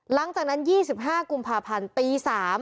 หลังจากนั้น๒๕กุมภาพันธ์ตี๓